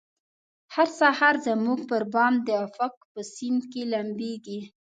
هر سهار زموږ پربام د افق په سیند کې لمبیږې